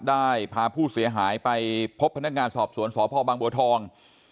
ได้พาผู้เสียหายไปพบพนักงานสอบสวนสพบางบัวทอง